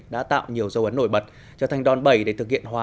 đã tạo nhiều dấu ấn nổi bật trở thành đòn bẩy để thực hiện hóa